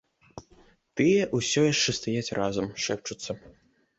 Тыя ўсё яшчэ стаяць разам, шэпчуцца.